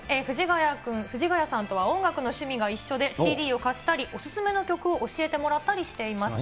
藤ヶ谷さんとは音楽の趣味が一緒で、ＣＤを貸したり、お勧めの曲を教えてもらったりしていました。